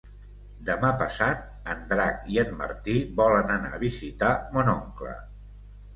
Demà passat en Drac i en Martí volen anar a visitar mon oncle.